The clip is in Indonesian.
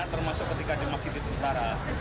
termasuk ketika dia masih di tentara